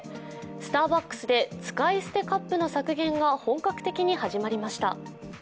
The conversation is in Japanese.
スターバックスで使い捨てカップの削減が本格的に始まりました。